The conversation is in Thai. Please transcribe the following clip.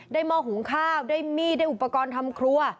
หม้อหุงข้าวได้มีดได้อุปกรณ์ทำครัว